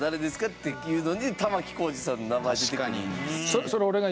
っていうのに玉置浩二さんの名前出てくるんですよ。